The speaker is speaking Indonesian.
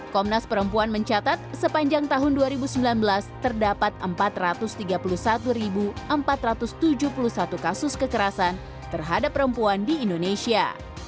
komnas perempuan mencatat sepanjang tahun dua ribu sembilan belas terdapat empat ratus tiga puluh satu empat ratus tujuh puluh satu kasus kekerasan terhadap perempuan di indonesia